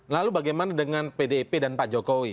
lalu bagaimana dengan pdip dan pak jokowi